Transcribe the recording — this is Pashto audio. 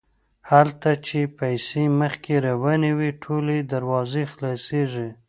هلته چې پیسې مخکې روانې وي ټولې دروازې خلاصیږي.